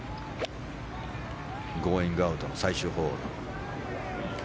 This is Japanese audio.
ゴーイングアウトの最終ホール。